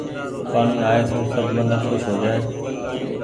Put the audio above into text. پآڻيٚ آئي سون سب منک کوس هو جآئي ۔